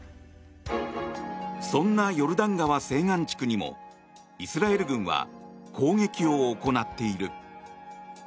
そんなヨルダン川西岸地区にもイスラエル軍は攻撃を行っている。